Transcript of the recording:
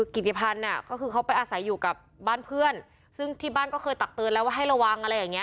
กิจิพันย์ก็คือเขาไปอาศัยอยู่กับบ้านเพื่อนซึ่งที่บ้านก็เคยตักเติมแล้วให้ระวัง